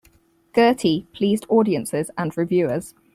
"Gertie" pleased audiences and reviewers.